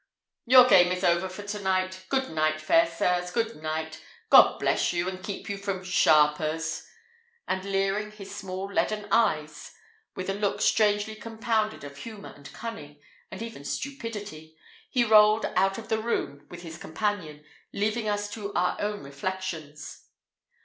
"Your game is over for to night. Goodnight, fair sirs; good night! God bless you, and keep you from sharpers," and leering his small leaden eyes, with a look strangely compounded of humour and cunning, and even stupidity, he rolled out of the room with his companion, leaving us to our own reflections.